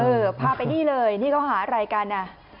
เออเออพาไปนี่เลยนี่เขาหาอะไรกันน่ะ